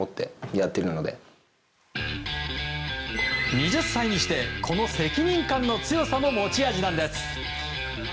２０歳にしてこの責任感の強さも持ち味なんです。